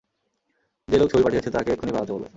যে লোক ছবি পাঠিয়েছে তাকে এক্ষুনি পালাতে বলো।